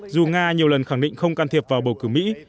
dù nga nhiều lần khẳng định không can thiệp vào bầu cử mỹ